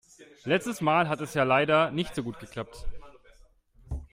Letztes Mal hat es ja leider nicht so gut geklappt.